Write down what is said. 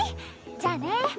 じゃあね。